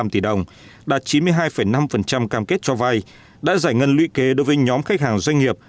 hai mươi ba tám trăm bốn mươi năm tỷ đồng đạt chín mươi hai năm cam kết cho vai đã giải ngân lũy kế đối với nhóm khách hàng doanh nghiệp